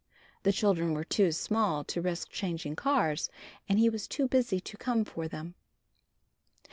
The children were too small to risk changing cars, and he was too busy to come for them.